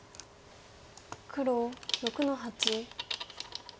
黒６の八。